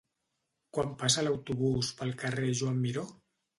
Quan passa l'autobús pel carrer Joan Miró?